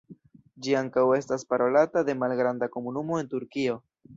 Ĝi ankaŭ estas parolata de malgranda komunumo en Turkio.